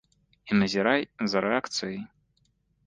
І назірай за рэакцыяй.